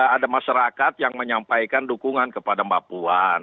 ada masyarakat yang menyampaikan dukungan kepada mbak puan